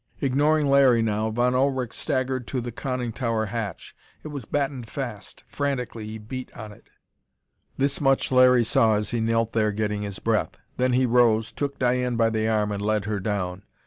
Ignoring Larry now, Von Ullrich staggered to the conning tower hatch. It was battened fast. Frantically he beat on it. This much Larry saw, as he knelt there getting his breath. Then he rose, took Diane by the arm and led her down.